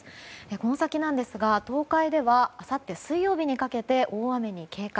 この先、東海ではあさって水曜日にかけて大雨に警戒。